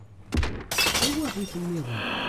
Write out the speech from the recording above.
D tawaɣit-nniḍen.